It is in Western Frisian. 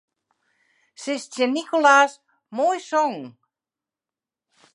Sis tsjin Nicolas: Moai songen.